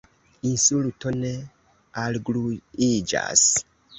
Insulto ne algluiĝas.